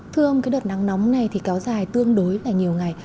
thưa ông cái đợt nắng nóng này thì kéo dài tương đối là nhiều ngày